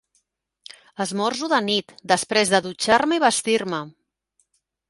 Esmorzo de nit, després de dutxar-me i vestir-me.